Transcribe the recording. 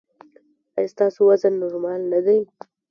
ایا ستاسو وزن نورمال نه دی؟